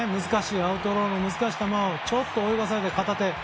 アウトローの難しい球をちょっと泳がされて、片手。